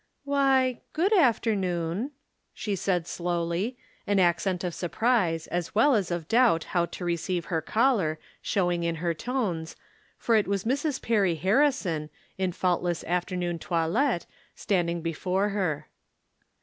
" Why, good afternoon," she said, slowly, an accent of surprise as well as of doubt how to re ceive her caller showing in her tones, for it was Mrs. Perry Harrison, in faultless afternoon toi let, standkig before her.